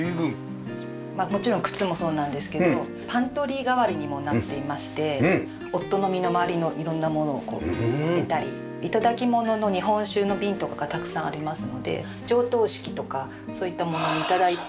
まあもちろん靴もそうなんですけどパントリー代わりにもなっていまして夫の身の回りの色んなものをこう入れたり頂き物の日本酒の瓶とかがたくさんありますので上棟式とかそういったものを頂いて。